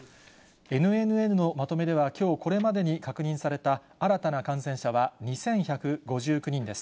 ＮＮＮのまとめでは、きょうこれまでに確認された新たな感染者は２１５９人です。